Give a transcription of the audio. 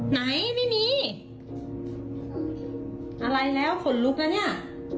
นี่อะไรแล้วขนลุกนะเนี่ย